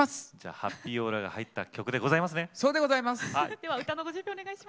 ハッピーオーラが入った曲でございますね！